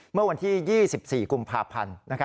เมื่อวันที่๒๔กุมภาพันธ์